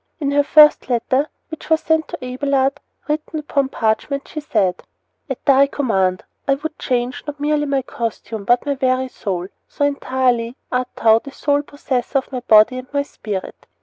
In her first letter, which was sent to Abelard written upon parchment, she said: At thy command I would change, not merely my costume, but my very soul, so entirely art thou the sole possessor of my body and my spirit.